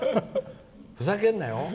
ふざけんなよ？